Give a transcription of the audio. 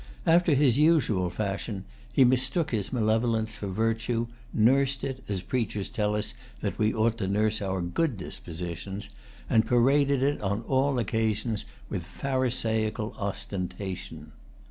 After his usual fashion, he mistook his malevolence for virtue, nursed it, as preachers tell us that we ought to nurse our good dispositions, and paraded it, on all occasions, with Pharisaical ostentation.